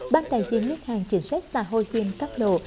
ban tài chiến nước hàng chiến sách xã hội huyền các lộ